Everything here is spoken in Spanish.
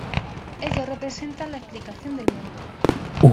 Ellos representan la explicación del mundo.